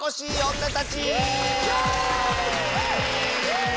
イエーイ！